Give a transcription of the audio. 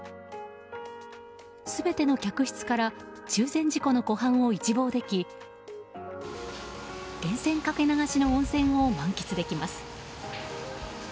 全ての客室から中禅寺湖の湖畔を一望でき源泉かけ流しの温泉を満喫できます。